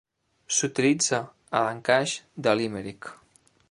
S'utilitza a l'encaix de Limerick.